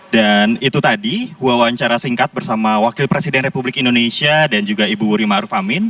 dan itu tadi wawancara singkat bersama wakil presiden republik indonesia dan juga ibu wuri ma'ruf amin